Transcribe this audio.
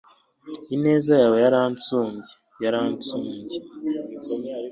ineza yawe yaransumbye! yaransumbye